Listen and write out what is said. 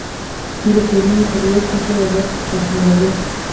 دوی د ټولنې پر یو قشر وضعیت تحمیلوي.